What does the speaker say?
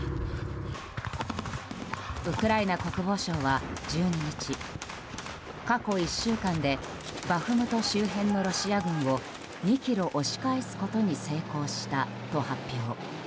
ウクライナ国防省は１２日過去１週間でバフムト周辺のロシア軍を２ｋｍ押し返すことに成功したと発表。